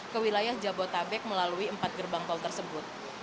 ke wilayah jabodetabek melalui empat gerbang tol tersebut